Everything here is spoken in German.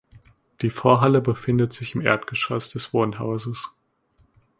Die Vorhalle befindet sich im Erdgeschoss des Wohnhauses.